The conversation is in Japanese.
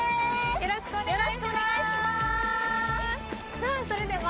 よろしくお願いします。